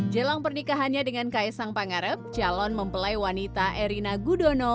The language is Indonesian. jelang pernikahannya dengan kaisang pangarep calon mempelai wanita erina gudono